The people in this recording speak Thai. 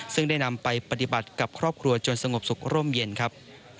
ซึ่งได้นำไปปฏิบัติกับครอบครัวจนสงบสุขร่มเย็นครับ